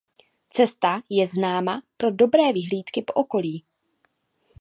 Cesta je známá pro dobré vyhlídky po okolí.